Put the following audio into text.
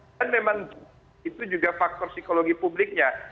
dan memang itu juga faktor psikologi publiknya